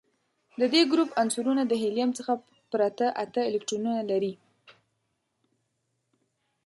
د دې ګروپ عنصرونه د هیلیم څخه پرته اته الکترونونه لري.